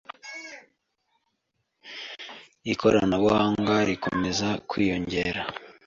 ikoranabuhanga rikomeza kwiyongera